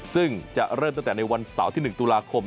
ซึ่งจะเริ่มตั้งแต่ในวันเสาร์ที่๑ตุลาคม